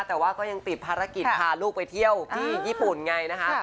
แต่ว่าก็ยังติดภารกิจพาลูกไปเที่ยวที่ญี่ปุ่นไงนะคะ